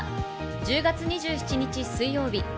１０月２７日、水曜日。